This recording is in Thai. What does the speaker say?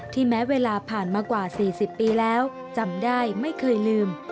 แม้เวลาผ่านมากว่า๔๐ปีแล้วจำได้ไม่เคยลืม